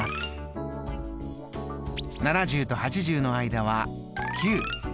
７０と８０の間は９。